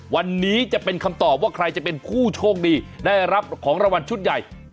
วันนี้จะเป็นคำตอบว่าใครจะเป็นผู้โชคดีได้รับของรางวัลชุดใหญ่